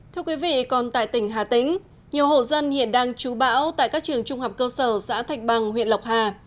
thưa quý vị còn tại tỉnh hà tĩnh nhiều hộ dân hiện đang chú bão tại các trường trung học cơ sở xã thạch bằng huyện lộc hà